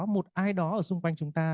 một ai đó ở xung quanh chúng ta